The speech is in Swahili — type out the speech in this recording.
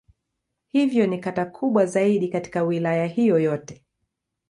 Hivyo ni kata kubwa zaidi katika Wilaya hiyo yote.